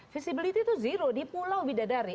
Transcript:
visibility itu zero di pulau bidadari